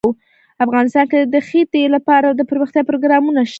افغانستان کې د ښتې لپاره دپرمختیا پروګرامونه شته.